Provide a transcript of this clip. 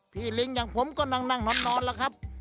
พี่ลิงค์อย่างผมก็นั่งนั่งนอนแล้วครับ